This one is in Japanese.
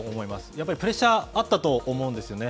やっぱりプレッシャーあったと思うんですよね。